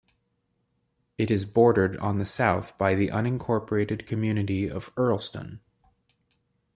It is bordered on the south by the unincorporated community of Earlston.